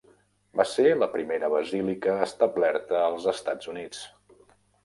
Va ser la primera basílica establerta als Estats Units.